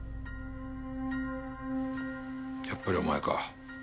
やっぱりお前か。